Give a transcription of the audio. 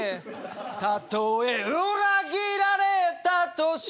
「たとえ裏切られたとしても」